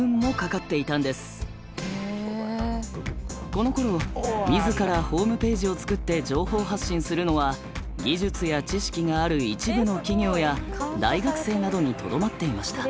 このころ自らホームページを作って情報発信するのは技術や知識がある一部の企業や大学生などにとどまっていました。